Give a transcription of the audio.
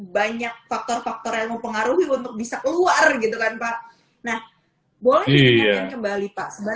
banyak faktor faktor yang mempengaruhi untuk bisa keluar gitu kan pak nah boleh dikatakan kembali pak